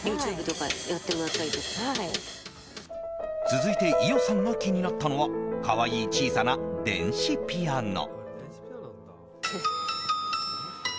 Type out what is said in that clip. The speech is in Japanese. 続いて伊代さんが気になったのは可愛い小さな電子ピアノ。